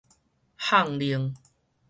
肨奶